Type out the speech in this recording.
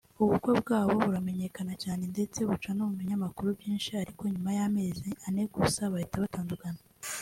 ubukwe bwabo buramenyekanye cyane ndetse buca no mu binyamakuru byinshi ariko nyuma y’amezi ane gusa bahita batandukana